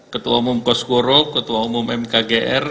ketua umum kos guro ketua umum mkgr